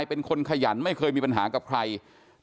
กลุ่มวัยรุ่นกลัวว่าจะไม่ได้รับความเป็นธรรมทางด้านคดีจะคืบหน้า